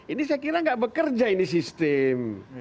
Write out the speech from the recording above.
ini saya kira nggak bekerja ini sistem